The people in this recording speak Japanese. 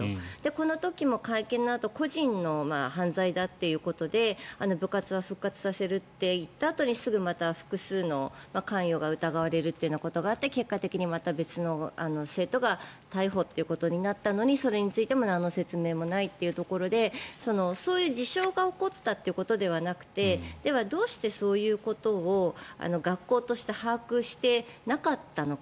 この時も、会見のあと個人の犯罪だということで部活は復活させるって言ったあとにすぐまた複数の関与が疑われるということがあって結果的にまた別の生徒が逮捕ということになったのにそれについてもなんの説明もないというところでそういう事象が起こったということではなくでは、どうしてそういうことを学校として把握していなかったのか。